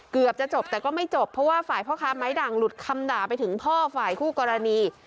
เกือบจะจบแต่ก็ไม่จบเพราะว่าฝ่ายพ่อค้าไม้ด่างหลุดคำด่าไปถึงพ่อฝ่ายคู่กรณี